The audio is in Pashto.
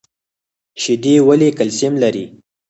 شیدې ولې کلسیم لري؟